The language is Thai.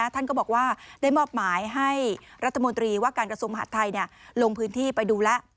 ท่านก็บอกว่าได้มอบหมายให้รัฐมนตรีว่าการกระทรวงมหาดไทยลงพื้นที่ไปดูแล้ว